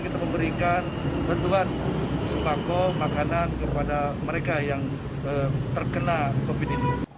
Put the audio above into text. kita memberikan bantuan sepako makanan kepada mereka yang terkena covid sembilan belas